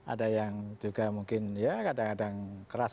ada yang juga mungkin ya kadang kadang keras